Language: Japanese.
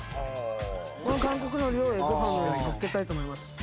この韓国のりをご飯の上にのっけたいと思います。